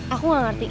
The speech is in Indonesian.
aku gak ngerti